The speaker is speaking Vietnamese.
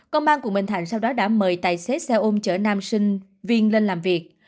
công an quận bình thạnh sau đó đã mời tài xế xe ôm chở nam sinh viên lên làm việc